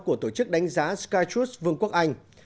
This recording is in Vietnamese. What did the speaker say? của tổ chức đánh giá skytrus vương quốc anh